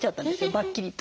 バッキリと。